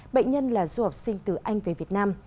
bệnh nhân là du học sinh từ anh về việt nam